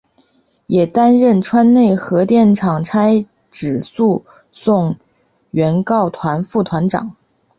也担任川内核电厂差止诉讼原告团副团长。